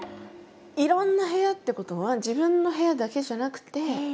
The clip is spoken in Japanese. いろんな部屋ってことは自分の部屋だけじゃなくて家族の部屋も。